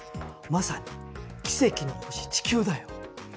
まさに奇跡の星地球だよ。